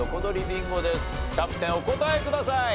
キャプテンお答えください。